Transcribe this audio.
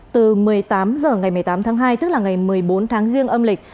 từ một mươi tám h ngày một mươi tám tháng hai tức là ngày một mươi bốn tháng riêng âm lịch